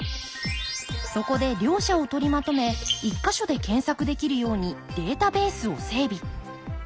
そこで両者を取りまとめ１か所で検索できるようにデータベースを整備。